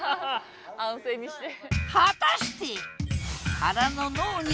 安静にして。え！